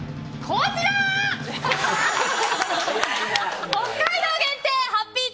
こちらー！